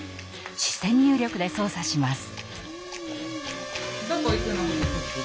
視線入力で操作します。